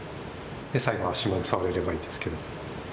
最後は脚まで触れればいいですけど。